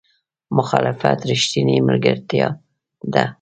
مخالفت رښتینې ملګرتیا ده.